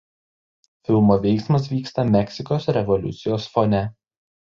Filmo veiksmas vyksta Meksikos revoliucijos fone.